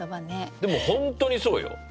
でも本当にそうよ。